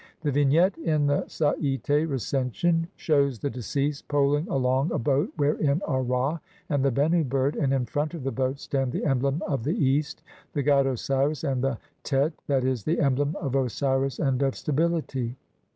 The vignette in the SaYte Recension (see Lepsius, op. cit., Bl. 37) shews the deceased poling along a boat wherein are Ra and the Bennu bird, and in front of the boat stand the emblem of the East, the god Osiris, and the Tet, i. e., the emblem of Osiris and of stability.